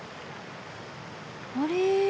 あれ？